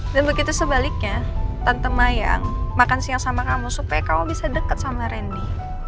dan begitu sebaliknya tante mayang makan siang sama kamu supaya kamu bisa deket sama randy